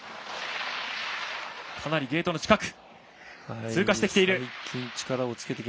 かなりゲートの近く通過してきている。